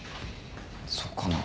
そうかな。